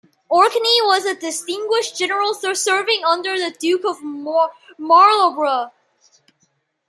Orkney was a distinguished general serving under the Duke of Marlborough.